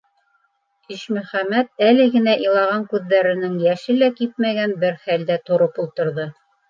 Ишмөхәмәт әле генә илаған күҙҙәренең йәше лә кипмәгән бер хәлдә тороп ултырҙы.